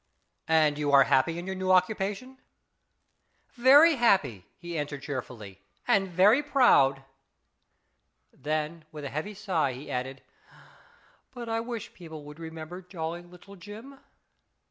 " And you are happy in your new occupa tion ?" 46 Very happy," he answered cheerfully, "and very proud." Then with a heavy sigh he added, " But I wish people would remember Jolly Little Jim."